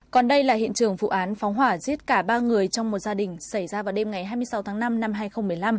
còn đây là hiện trường vụ án phóng hỏa giết cả ba người trong một gia đình xảy ra vào đêm ngày hai mươi sáu tháng năm năm hai nghìn một mươi năm